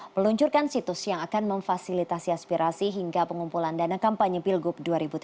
meluncurkan situs yang akan memfasilitasi aspirasi hingga pengumpulan dana kampanye pilgub dua ribu tujuh belas